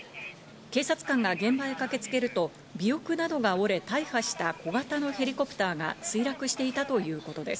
警察官が現場へ駆けつけると、尾翼などが折れ、大破した小型のヘリコプターが墜落していたということです。